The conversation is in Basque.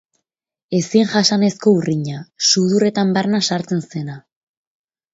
Ezin jasanezko urrina, sudurretan barna sartzen zena.